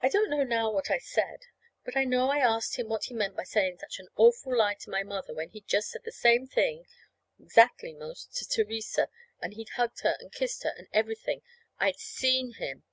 I don't know now what I said, but I know I asked him what he meant by saying such an awful lie to my mother, when he'd just said the same thing, exactly 'most, to Theresa, and he'd hugged her and kissed her, and everything. I'd seen him.